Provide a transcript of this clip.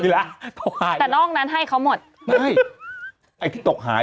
หายแต่นอกนั้นให้เขาหมดไม่ไอ้ที่ตกหาย